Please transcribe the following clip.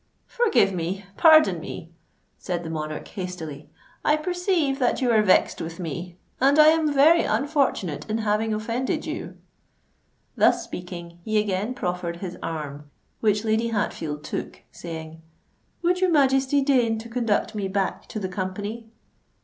"Forgive me—pardon me," said the monarch hastily: "I perceive that you are vexed with me—and I am very unfortunate in having offended you." Thus speaking he again proffered his arm, which Lady Hatfield took, saying, "Would your Majesty deign to conduct me back to the company?"